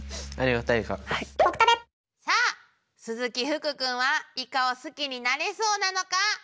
鈴木福くんはイカを好きになれそうなのか！？